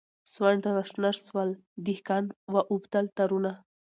سونډ راشنه سول دهقان و اوبدل تارونه